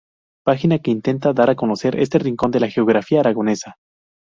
Página que intenta dar a conocer este rincón de la geografía aragonesa.